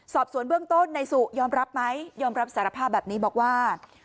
สอบสวนเบื้องต้นนายสุยอมรับไหมยอมรับสารภาพแบบนี้บอกว่า